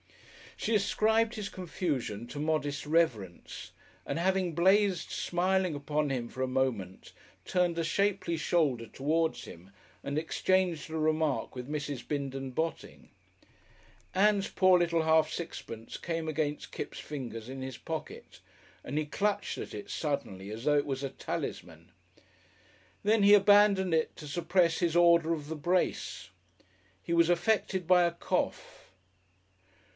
She ascribed his confusion to modest reverence, and having blazed smiling upon him for a moment turned a shapely shoulder towards him and exchanged a remark with Mrs. Bindon Botting. Ann's poor little half sixpence came against Kipps' fingers in his pocket and he clutched at it suddenly as though it was a talisman. Then he abandoned it to suppress his Order of the Brace. He was affected by a cough.